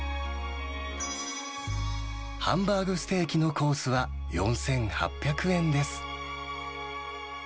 ハンバーグステーキのコースは４８００円です。